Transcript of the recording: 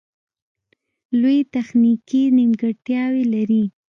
لویې تخنیکې نیمګړتیاوې لري